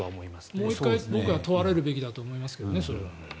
もう１回僕は問われるべきだと思いますけどね。